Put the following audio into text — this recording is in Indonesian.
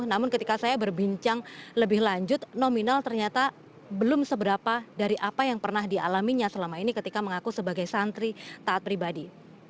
namun ketika saya berbincang lebih lanjut nominal ternyata belum seberapa dari apa yang pernah dialaminya selama ini ketika mengaku sebagai santri taat pribadi